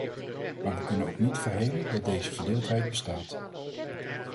Maar we kunnen ook niet verhelen dat deze verdeeldheid bestaat.